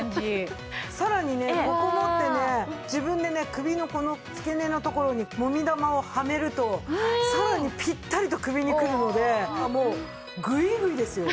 さらにねここ持ってね自分でね首のこの付け根のところにもみ玉をはめるとさらにピッタリと首にくるのでもうグイグイですよ。